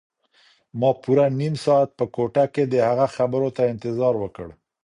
ما پوره نیم ساعت په کوټه کې د هغه خبرو ته انتظار وکړ.